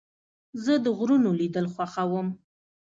زه د غرونو لیدل خوښوم.